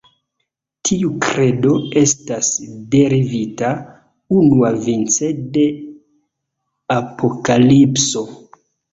Tiu kredo estas derivita unuavice de Apokalipso.